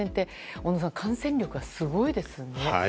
小野さん、感染力がすごいですね。